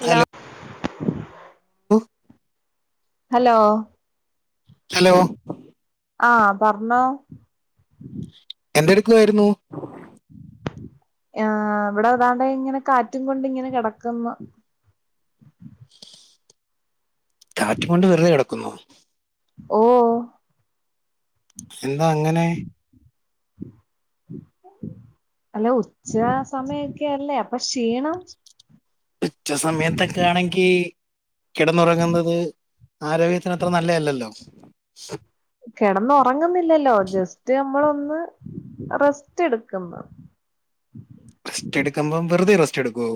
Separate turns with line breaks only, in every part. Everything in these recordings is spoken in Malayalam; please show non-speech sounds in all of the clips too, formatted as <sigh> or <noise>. ഹലോ
ഹലൊ <inaudible> ഞ്ഞോളൂ
ഹലോ
ഹലോ
ആ പറഞ്ഞോ?
എന്തെടുക്കുവായിരുന്നു
ആ ഇവിടെ താണ്ട് ഇങ്ങനെ കാറ്റും കൊണ്ട് ഇങ്ങനെ കിടക്കുന്നു
കാറ്റും കൊണ്ട് വെറുതെ കിട
ഓ
എന്താ അങ്ങനെ
അല്ലെ ഉച്ച സമയൊക്കെല്ലേ അപ്പൊ ക്ഷീണം
ഉച്ച സമയത്തൊക്കെ ആണെങ്കി കിടന്നുറങ്ങുന്നത് ആരോഗ്യത്തിന് അത്ര നല്ലയല്ലല്ലോ
കിടന്ന ഉറങ്ങുന്നില്ലല്ലോ ജസ്റ്റ് നമ്മളൊന്ന് റെസ്റ്റ് എടുക്കുന്നു
റസ്റ്റ് എടുക്കുമ്പം വെറുതെ റസ്റ്റ് എടുക്കുവോ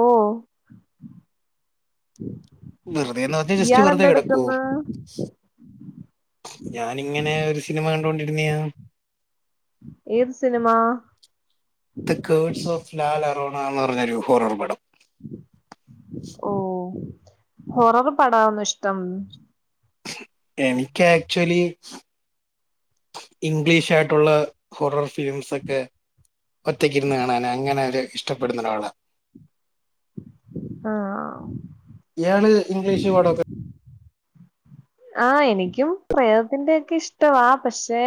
ഓ
വെറുതെന്ന് പറഞ്ഞാ ജസ്റ്റ് വെറുതെ കിടക്കുവേ
ഇയാളെന്തെടുക്കുന്ന്
ഞാനിങ്ങനെ ഒരു സിനിമ കണ്ടൊണ്ടിരുന്നയ
ഏത് cinema
the curse of La Llorona ആന്ന് പറഞ്ഞൊരു ഹോറർ പടം
ഓ ഹൊറർ പടാവന്ന ഇഷ്ടം
എനിക്ക് ആക്ച്വലി ഇംഗ്ലീഷ് ആയിട്ടുള്ള ഹൊറർ ഫിലിംസ് ഒക്കെ ഒറ്റക്കിരുന്ന് കാണാനൻ അങ്ങനെ ഒരു ഇഷ്ടപ്പെടുന്നൊരാള
ആഹ്
ഇയാള് ഇംഗ്ലീഷ് പടോക്കെ
ആഹ് എനിക്കും പ്രേതത്തിന്റെ ഒക്കെ ഇഷ്ട്ടവാ പക്ഷെ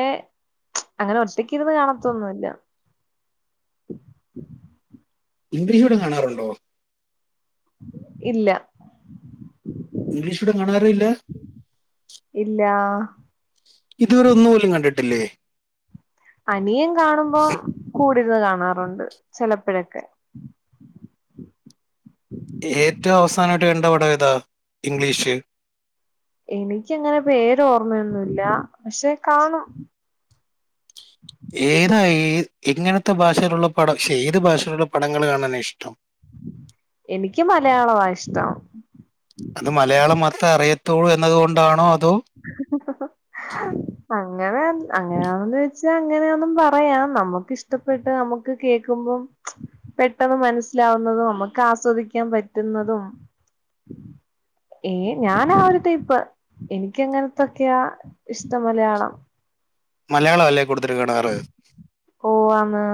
അങ്ങനെ ഒറ്റക്കിരുന്ന് കാണത്തൊന്നുവില്ല.
ഇംഗ്ലീഷ് പടം കാണാറുണ്ടോ?
ഇല്ല
ഇംഗ്ലീഷ് പടം കാണാറേ ഇല്ല.
ഇല്ല
ഇതുവരെ ഒന്നു പോലും കണ്ടിട്ടില്ലേ
അനിയൻ കാണുമ്പോ കൂ ഇവിരുന്ന് കാണാറുണ്ട് ചിലപ്പഴൊക്കെ
ഏറ്റവും അവസാനായിട്ട് കണ്ട പടം ഏതാ? ഇംഗ്ലീഷ്
എനിക്ക് അങ്ങനെ പേര് ഓർമ്മയൊന്നു ഇല്ല പക്ഷെ കാണും
ഏതായി എങ്ങനത്തെ ഭാഷയിലുള്ള പടം ശേ ഏത് ഭാഷയിലുള്ള പടങ്ങൾ കാണാനാ ഇഷ്ടം?
എനിക്ക് മലയാളവാ ഇഷ്ടം
തോ എന്നതുകൊണ്ടാണോ അ
ആഹ് അങ്ങനെ അങ്ങനെയാന്നൊന്ന് വെച്ചാ അങ്ങനെയാന്നും പറയാം നമുക്കിഷ്ടപ്പെട്ട് നമുക്ക് കേൾക്കുമ്പം പെട്ടന്ന് മനസിലാവുന്നതോ നമ്മക്ക് ആസ്വദിക്കാൻ പറ്റുന്നതും ഏഹ് ഞാനാ ഒരു ടൈപ്പാ എനി ക്കങ്ങനത്തൊക്കെയാ ഇഷ്ട്ടം മലയാളം
മലയാളം അല്ലേ കൂടുതല് കാണാറ്
ഓ ആന്ന്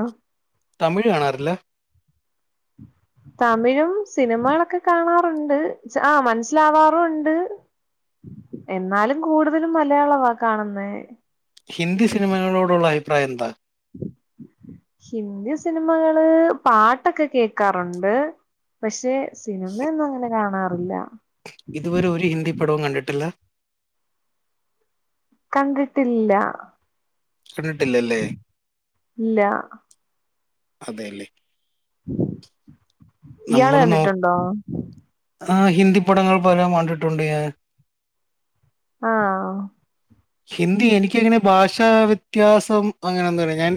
തമിഴ് കാണാറില്ല
തമിഴും സിനിമകളൊക്കെ കാണാറുണ്ട് ആ മനസ്സിലാവാറുവോണ്ട് എന്നാലും കൂടുതലും മലയാളവാ കാണുന്നേ
ഹിന്ദി സിനിമകളോടുള്ള അഭിപ്രായം എന്താ
ഹിന്ദി സിനിമകള് പാട്ടൊക്കെ കേക്കാറുണ്ട് പഷേ സിനിമയൊന്നും അങ്ങനെ കാണാ റില്ല
ഇതുവരെ ഒരു ഹിന്ദി പടവും കണ്ടിട്ടില്ല
കണ്ടിട്ടില്ല
കണ്ടിട്ടില്ലല്ലേ
ഇല്ല
അതെ ല്ലേ
ഇയാള്
നോ
കണ്ടിട്ടൊണ്ടോ
ആ ഹിന്ദി പടങ്ങൾ പലതും കണ്ടിട്ടുണ്ട് ഞാൻ
ആഹ്
ഹിന്ദി എനിക്കങ്ങനെ ഭാഷ വ്യത്യാസം അങ്ങനെ ഒന്നുല്ല ഞാൻ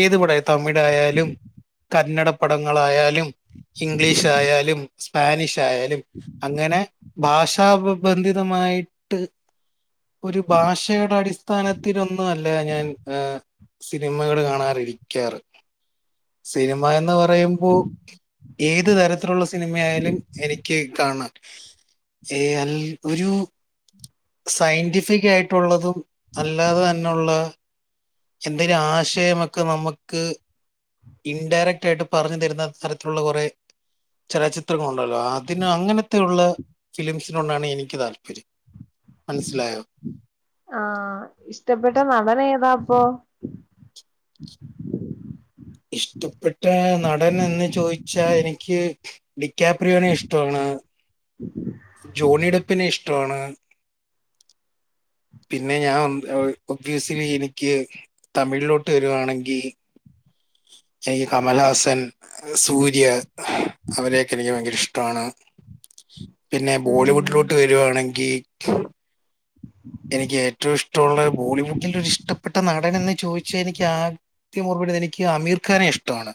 ഏത് പട തമിഴായാലും, കന്നഡ പടങ്ങളായാലും, ഇംഗ്ലീഷ് ആയാലും, സ്പാനിഷ് ആയാലും അങ്ങനെ ഭാഷാബന്ധിതമായിട്ട് ഒരു ഭാഷയുടെ അടിസ്ഥാനത്തിലൊന്നും അല്ല ഞാൻ സിനിമകൾ കാണാറിരിക്കാറ് സിനിമ എന്ന് പറ പറയുമ്പോ ഏത് തരത്തിലുള്ള സിനിമയായാലും എനിക്ക് കാണാൻ ഏ അ ഒരു സയന്റിഫിക് ആയിട്ടുള്ളതും അല്ലാതെ തന്നോള്ള എന്തെങ്കിലും ആശയമൊക്കെ നമുക്ക് ഇൻഡയറക്റ്റ് ആയിട്ട് പറഞ്ഞു തരുന്ന അത്തരത്തിലുള്ള കുറെ ചലച്ചിത്രങ്ങൾ ഉണ്ടല്ലോ അതിന് അങ്ങനത്തെ ഉള്ള ഫിലിംസിനു കൊണ്ടാണ് എനിക്ക് താല്പര്യം മനസ്സിലായോ
ആഹ് ഇഷ്ടപ്പെട്ട നടൻ ഏതാ ഓ
ഇഷ്ടപ്പെട്ട നടൻ എന്ന് ചോദിച്ചാൽ എനിക്ക് ഡിക്കാപ്രിയോനെ ഇഷ്ടമാണ് ജോണിടുപ്പിനെ ഇഷ് പിന്നെ ഞാൻ എനിക്ക് ഓബിയസിലി എനിക്ക് തമിഴിലോട്ട് വരിവാണെങ്കി എനിക്ക് കമൽഹാസൻ സൂര്യ അവരെയൊക്കെ എനിക്ക് ഭയങ്കര ഇഷ്ട ആണ് പിന്നെ
ഉം
ബോളിവുഡിലോട്ട് വരിവാണെങ്കിൽ എനിക്ക് ഏറ്റവും ഇഷ്ടമുള്ള ബോളിവുഡിലെ ഇഷ്ടപ്പെട്ട നടൻ എന്ന് ചോദിച്ച എനിക്ക് ആദ്യം മറുപടിതരി എനിക്ക് അമീർഖാനെ ഇഷ്ടമാണ്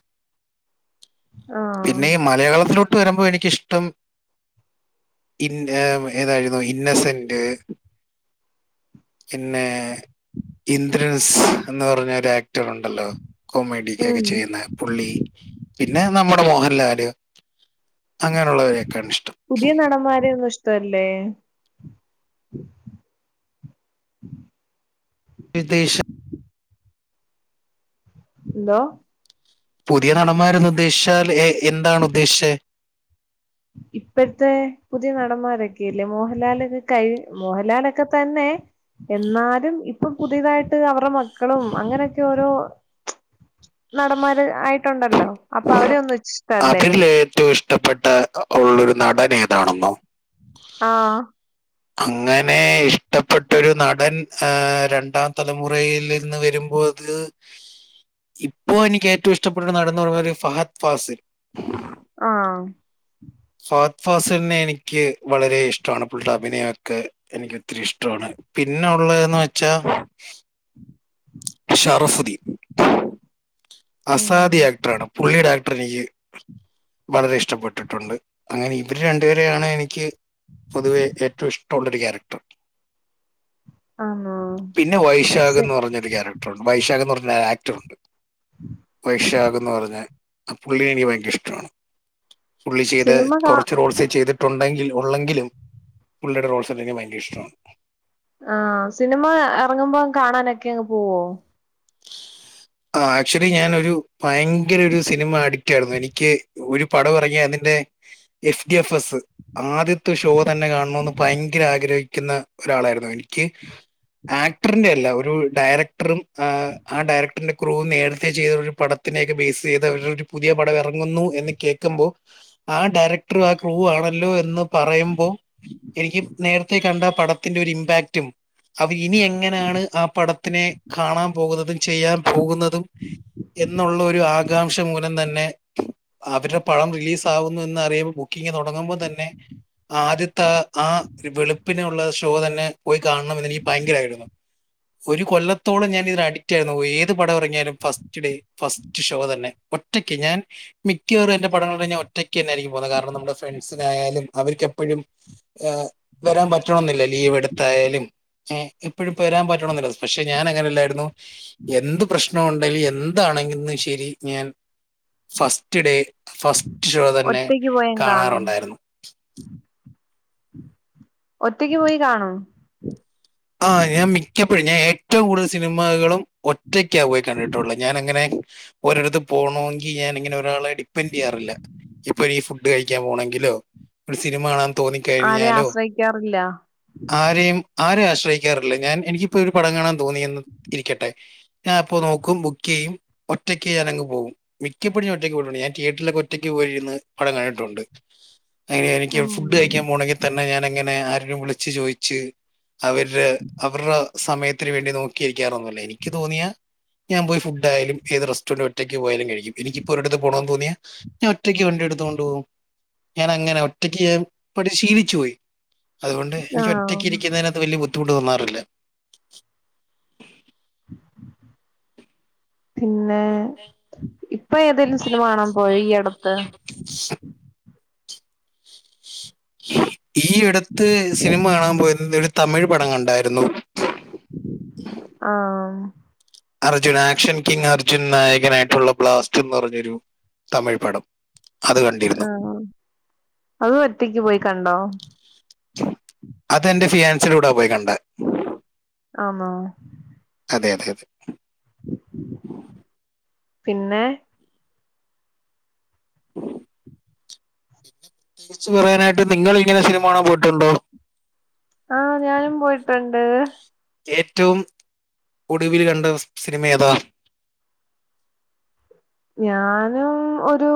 ആഹ്
പിന്നെ ഈ മലയാളത്തിലോ വരുമ്പോൾ എനിക്കിഷ്ടം ഇ ഏതായിരുന്നു ഇന്നസെന്റ് പിന്നെ ഇന്ദ്രൻസ് എന്ന് പറഞ്ഞ ഒരു ആക്ടർ ഉണ്ടല്ലോ കോമഡിയൊക്കെ
ഉം
ചെയ്യുന്ന പുള്ളി പിന്നെ നമ്മുടെ മോഹൻലാൽ <unintelligible>
പുതിയ നടന്മാരൊന്നും ഇഷ്ടവല്ലേ <inaudible>
വിദേശം
എന്തോ
പുതിയ നടന്മാരന്ന് ഉദ്ദേശിച്ചാൽ ല്ലെ എന്താണ് ഉദ്ദേശിച്ചേ
ഇപ്പോഴത്തെ പുതിയ നടന്മാരൊക്കെ ഇല്ലേ മോഹൻലാല് കഴിഞ്ഞു മോഹൻലാലൊക്കെ തന്നെ എന്നാലും ഇപ്പൊ പുതിയതായിട്ട് അവരുടെ മക്കളും അങ്ങനെയൊക്കെ ഓരോ നടന്മാര് ആയിട്ടുണ്ടല്ലോ അപ്പൊ അവരെ ഒന്നും ഇഷ്ടല്ലേ
അതില് ഏറ്റവും ഇഷ്ടപ്പെട്ട ഉള്ളൊരു നടൻ ഏതാണെന്നോ
ആഹ്
അങ്ങനെ ഇഷ്ടപ്പെട്ടൊരു നടൻ ഏ രണ്ടാം തലമുറയിൽ നിന്ന് വരുമ്പോൾ അത് ഇപ്പോ എനിക്ക് ഏറ്റവും ഇഷ്ടപ്പെട്ട ഒരു നടൻ ന്നൊള്ളൊരു ഫഹദ് ഫാസിൽ
ആഹ്
ഫഹദ് ഫാസിലിനെ എനിക്ക് വളരെ ഇഷ്ടം തണുപ്പുള്ള അഭിനയം ഒക്കെ എനിക്ക് ഒത്തിരി ഇഷ്ടമാണ് പിന്നെ ഉള്ളതന്ന് വെച്ചാ ഷറഫുദീൻ <inaudible>
ഉം
അസാദി ആക്ടറണ് പുള്ളിയുടെ ആക്ട് പ്രിയ് വളരേ ഇഷ് ഇഷ്ട്ടപ്പെട്ടിട്ടുണ്ട് അങ്ങനെ ഇവര് രണ്ടുപേരെയാണ് എനിക്ക് പൊതുവേ ഏറ്റവും ഇഷ്ട്ടൊള്ളൊരു കാരക്റ്റർ.
ആന്നോ
പിന്നെ വൈശാഖ്
സി
എന്ന് പറഞ്ഞൊരു കാരക്റ്ററുണ്ട് വൈശാഖ് എന്ന് പറ ആക്ടറുണ്ട് വൈഷാകന്ന് പറഞ്ഞ. ആ പുള്ളിയേ എനിക്ക് ഭയങ്കര ഇഷ്ടമാണ് പുള്ളി ചെയ്ത
സിനിമ കാ
കൊറച്ച് റോൾസേ ചെയ്തിട്ടു ണ്ടകിലും ഒള്ളെങ്കിലും പുള്ളിടെ റോൾസ് എനിക്ക് ഭയങ്കര ഇഷ്ടമാണ്
ആഹ് സിനിമ ഇറങ്ങുമ്പോ കാണാനൊ ക്കെ പോവോ
ആ ആക്ച്വലി ഞാനൊരു ഭയങ്കര ഒരു സിനിമ അടി റ്റായിരുന്നു എനിക്ക് ഒരു പടം എറങ്ങിയ അതിന്റെ എഫ് ഡി എഫ് എസ്. ആദ്യത്തെ ഷോ തന്നെ കാണോന്ന് ഭയങ്കര ആഗ്രഹാ നിക്കുന്ന ഒരാളായിരുന്നു എനിക്ക് ആക്ടറിന്റെ അല്ല ഒരു ഡയറക്ടറും ആ ഡയറക്റ്റ് പിന്നെ ക്രൂ നേരത്തെ ചെയ്ത ഒരു പടത്തിനെയൊക്കെ ബേസ് ചെയ്ത ഒരു പുതിയ പടം എറങ്ങുന്നു എന്ന് കേൾക്കുമ്പോ ആ ഡയറക്ടറും ആ ക്രൂവും ആണല്ലോ എന്ന് പറയുമ്പോൾ എനിക്ക് നേരത്തെ കണ്ട പടത്തിന്റെ ഒരു ഇമ്പാക്റ്റും അവർ ഇനി എങ്ങനെയാണ് ആ പടത്തിനെ കാണാൻ പോകുന്നതും ചെയ്യാൻ പോകുന്നതും എന്നുള്ള ഒരു ആകാംക്ഷ മൂലം തന്നെ അവരുടെ പടം റിലീസ് ആകുന്നു എന്ന് അറിയുമ്പോൾ ബുക്കിംഗ് തുടങ്ങുമ്പോൾ തന്നെ ആദ്യത്തെ ആ വെളുപ്പിനേഒള്ള ഷോ തന്നെ പോയി കാണണം എന്ന് എനിക്ക് ഭയങ്കര ആഗ്രഹാരുന്നു ഒരു കൊല്ലത്തോളം ഞാൻ ഇതിന് അഡിക്റ്റ് ആയിരുന്നു ഏത് ത് പടം എറങ്ങിയാലും ഫസ്റ്റ് ഡേ ഫസ്റ്റ് ഷോ തന്നെ ഒറ്റക്ക് ഞാൻ മിക്കാറും എന്റെ പടങ്ങൾ ഞാൻ ഒറ്റക്ക് തന്നെയായിരിക്കും പോകുന്നത് കാരണം നമ്മുടെ ഫ്രണ്ട്സിനായാലും അവർക്ക് എപ്പഴും വരാൻ പറ്റണെന്നില്ല ലീവ് എടുത്തായാലും ഏഹ് എപ്പഴും വരാൻ പറ്റണന്നില്ല പക്ഷെ ഞാൻ അങ്ങനെല്ലാരുന്നു. എന്ത് പ്രശ്നം ഉണ്ടെലും എന്താണെങ്കിലും ശരി ഞാൻ ഫസ്റ്റ് ഡേ ഫസ് ഷോ തന്നെ
ഒറ്റക്ക് പോയങ്ങ് കാണും
കാണാറുണ്ടായിരുന്നു
ഒറ്റക്ക് പോയി കാണോ
ആഹ് ഞാൻ മിക്കപ്പോഴും ഞാൻ ഏറ്റവും കൂടുതൽ സിനിമകളും ഒ റ്റക്കാ പോയി കണ്ടിട്ടുള്ള ഞാൻ അങ്ങനെ ഒരടുത്ത് പോണോങ്കി ഞാൻ ഇങ്ങനെ ഒരാളെ ഡിപ്പെൻഡ് ചെയ്യാറില്ല ഇപ്പൊ ഇ ഫു ഡ്‌ കഴിക്കാൻ പോണെങ്കിലോ ഒരു സിനിമ കാണാൻ
ആരെയും
തോന്നിക്കഴിഞ്ഞാലോ
ആശ്രയിക്കാറില്ല
ആരെയും ആരേ ശ് ശ്രയിക്കാറില്ല ഞാൻ എനിക്ക് ഇപ്പോ ഒരു പടം കാണാൻ തോന്നിയന്ന് ഇരിക്കട്ടെ ഞാൻ അപ്പോ നോക്കും ബുക്ക് ചെയ്യും ഒറ്റക്ക് ഞാനങ്ങ് പോകും മിക്കപ്പോഴും ഞാൻ ഒറ്റയ്ക്ക് പോയിട്ടുണ്ട് ഞാൻ തിയേറ്റിൽ ഒറ്റക്ക് പോയിരുന്ന് പടം കണ്ടിട്ടുണ്ട്. അങ്ങനെ എനിക്ക്
ഉം
ഫുഡ് കഴിക്കാൻ പോണെങ്കിൽ തന്നെ ഞാനങ്ങനെ ര് വിളിച്ചു ചോയിച്ച്. അവര് അവർടെ സമയത്തിന് വേണ്ടി നോക്കി ക്കാറൊന്നുല്ല എനിക്ക് തോന്നിയ ഞാൻ പോയി ഫുഡ് ആയാലും ഏത് റെസ്റ്റോറന്റും ഒറ്റയ്ക്ക് പോയാലും കഴിക്കും എനിക്കിപ്പോ ഒരിടത്ത് പോണംന്ന് തോന്നിയാ ഞാൻ ഒറ്റയ്ക്ക് വണ്ടി എടുത്തുകൊണ്ട് പോകും ഞാൻ അങ്ങനെ ഒറ്റയ്ക്ക് ഞാൻ പടിശീലിച്ചു പോയി. അതുകൊണ്ട് എനിക്ക്
ആഹ്
ഒറ്റയ്ക്ക് ഇരിക്കുന്നതിന വല്ല്യ ബുദ്ധിമുട്ട് തോന്നാറില്ല
പിന്നെ ഇപ്പൊ ഏതേലും സിനിമ കാണാൻ പോയോ ഈ അടുത്ത്?
ഈയിടുത്ത് സിനിമ കാണാൻ പോയ <unintelligible> ഒരു തമിഴ് പടം കണ്ടായിരുന്നു
ആഹ്
അർജുൻ ആക്ഷൻ കിങ് അർജുൻ നായകനായിട്ടുള്ള ബ്ലാസ്റ്റ് എന്ന പറഞ്ഞൊരു തമിഴ് പടം. അത് കണ്ടിരുന്നു
<unintelligible> അതും ഒറ്റക്ക് പോയി കണ്ടോ
അതെന്റെ ഫിയാൻസിടെ കൂടാ പോയി കണ്ട
ആന്നോ?
അതെയതെയതെ.
പിന്നെ
തിരിച്ചു പറയാനായിട്ട് നിങ്ങൾ ഇങ്ങനെ സിനിമ കാണാൻ പോയിട്ടുണ്ടോ?
ആഹ് ഞാനും പോയിട്ടുണ്ട്.
ഏറ്റവും ഒടുവിൽ കണ്ട സിനിമ ഏതാ?
ഞാനും ഒരു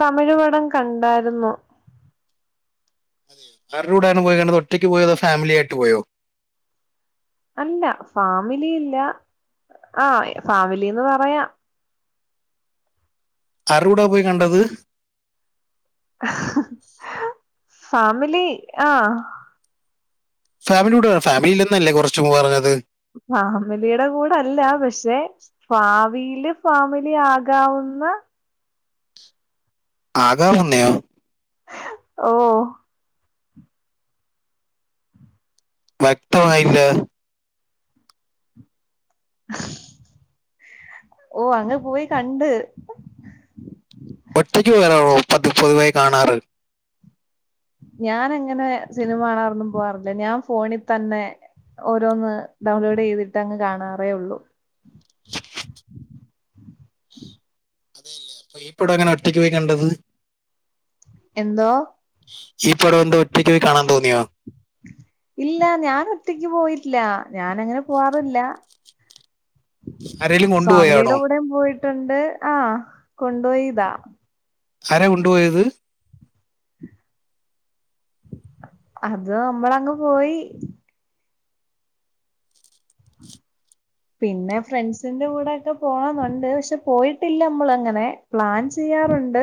തമിഴ് പടം കണ്ടായിരുന്നു.
ആരുടെ കൂടെയാണ് പോയികണ് ഒറ്റയ്ക്ക് പോയോ അതോ ഫാമിലി ആയിട്ട് പോയോ?
അല്ല ഫാമിലിയില്ല ആഹ് ഫാമിലിന്ന് പറയാം.
ആരൂടാ പോയി കണ്ടത്?
ഫാമിലി ആഹ്
ഫാമിലി കൂടെ ഫാമിയില്ലന്നല്ലേ കുറച്ചുംമുമ്പ് പറഞ്ഞത്.
ഫാമിലിയുടെ കൂടെ അല്ല പക്ഷെ ഭാവിയില് ഫാമിലി ആകാവുന്ന
ആകാമുന്നയോ?
ഓ
വ്യക്തമായില്ല?
ഓ അങ്ങ് പോയി കണ്ട്
ഒറ്റക്ക് വരാവോ പത് പതിവായി കാണാറ്
ഞാനങ്ങനെ സിനിമകാണാറൊന്നും പോവാറില്ല ഞാ ഫോണി തന്നെ ഓരോന്ന് ഡൗൺലോഡ് ചെയ്തിട്ട് അങ്ങ് കാണാറേ ഒള്ളു
അതെയല്ലേ അപ്പോ ഈ ടങ്ങനെ ഒറ്റയ്ക്ക് പോയി കണ്ടത്?
എന്തോ?
ഈ പടം എന്താ ഒറ്റയ്ക്ക് പോയി കാണാൻ തോന്നിയോ?
ഇല്ല ഞനൊറ്റക്ക് പോയിട്ടില്ല ഞാനങ്ങനെ പോവാറില്ല
ആരെലും കൊണ്ടുപോയാണോ
ട്ടോണ്ട് ആ കൊണ്ട് പോയിതാ
ആരാ കൊണ്ടു പോയത്
അത് നമ്മളങ്ങ് പോയി പിന്നെ ഫ്രണ്ട്സിന്റെ കൂടെ ഒക്കെ പോണോന്നുണ്ട് പക്ഷെ പോയിട്ടില്ല നമ്മളങ്ങനെ. പ്ലാൻ ചെയ്യാറോണ്ട്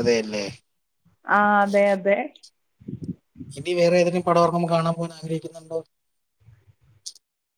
അതെയല്ലേ
ആ അതെ അതെ
ഇനി വേറെ ഏതെങ്കിലും പടം എറങ്ങുമ്പോ കാണാൻ പോകാൻ ആഗ്രഹിക്കുന്നുണ്ടോ